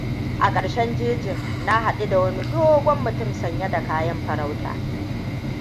A ƙarshen jejin, na haɗu da wani dogon mutum sanye da kayan farauta.